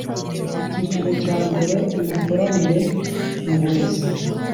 Icyiciro cyambere Imikoranire mu burezi